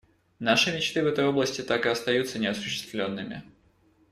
Наши мечты в этой области так и остаются неосуществленными.